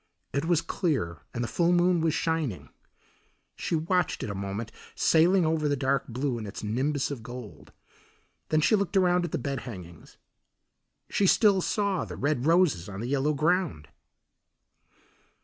It was clear and the full moon was shining. She watched it a moment sailing over the dark blue in its nimbus of gold. Then she looked around at the bed hangings. She still saw the red roses on the yellow ground.